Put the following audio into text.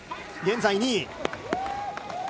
現在２位。